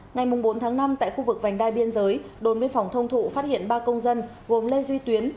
ngày bốn tháng năm tại khu vực vành đai biên giới đồn biên phòng thông thụ phát hiện ba công dân gồm lê duy tuyến